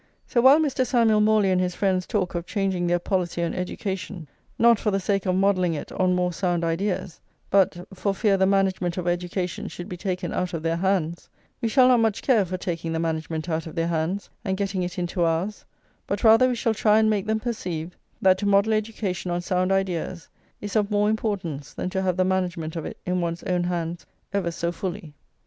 So while Mr. Samuel Morley and his friends talk of changing their policy on education, not for the sake of modelling it on more sound ideas, but "for fear the management of education should be taken out of their hands," we shall not much care for taking the management out of their hands and getting it into ours; but rather we shall try and make them perceive, that to model education on sound ideas is of more importance than to have the management of it in one's own hands ever so fully.